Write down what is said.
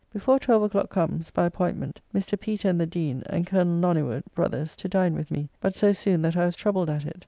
Before twelve o'clock comes, by appointment, Mr. Peter and the Dean, and Collonel Noniwood, brothers, to dine with me; but so soon that I was troubled at it.